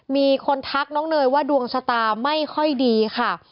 มีคนทักน้องเนยว่าดวงชะตาไม่ค่อยดีค่ะ